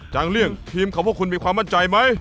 จังเลี่ยงทีมของพวกคุณมีความมั่นใจมั้ย